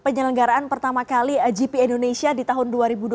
penyelenggaraan pertama kali gp indonesia di tahun dua ribu dua puluh